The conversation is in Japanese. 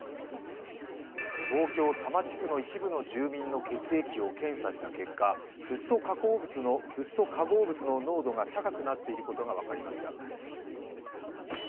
東京多摩地区の一部の住民の血液を検査した結果、フッ素加工物のフッ素化合物の濃度が高くなっていることが分かりました。